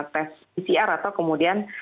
tes pcr atau kemudian